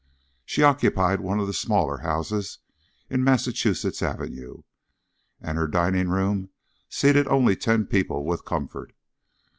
She occupied one of the smaller houses in Massachusetts Avenue, and her dining room seated only ten people with comfort.